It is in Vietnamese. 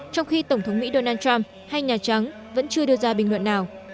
trong khi tổng thống mỹ donald trump hay nhà trắng vẫn chưa đưa ra bình luận nào